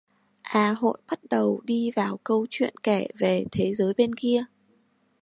A Hội bắt đầu đi vào câu chuyện kể về thế giời bên kia